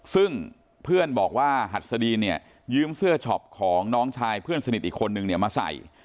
ซึ่งเพื่อนบอกว่าหัดสดีนเนี่ยยืมเสื้อช็อปของน้องชายเพื่อนสนิทอีกคนนึงเนี่ยมาใส่